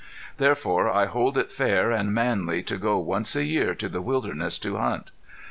Therefore I hold it fair and manly to go once a year to the wilderness to hunt.